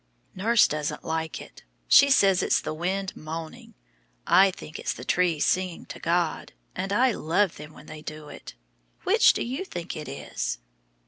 Nurse doesn't like it. She says it's the wind moaning. I think it's the trees singing to God, and I love them when they do it. Which do you think it is?"